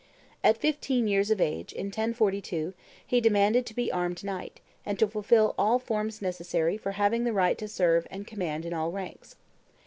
At fifteen years of age, in 1042, he demanded to be armed knight, and to fulfil all forms necessary "for having the right to serve and command in all ranks."